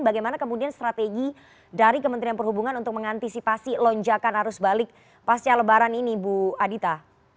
bagaimana kemudian strategi dari kementerian perhubungan untuk mengantisipasi lonjakan arus balik pasca lebaran ini bu adita